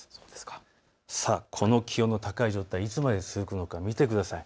この気温が高い状態、いつまで続くか見てください。